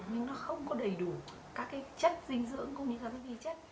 nhưng nó không có đầy đủ các chất dinh dưỡng cũng như các vi chất